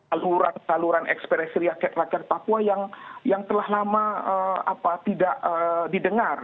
saluran saluran ekspresi rakyat rakyat papua yang telah lama tidak didengar